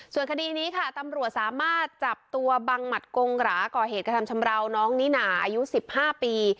ส่วนคดีนี้ค่ะตำรวจสามารถจับตัวบังหมัดกงหราก่อเหตุกระทำชำราวน้องนิน่าอายุ๑๕ปี